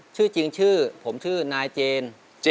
ชื่อจริงชื่อผมชื่อนายเจน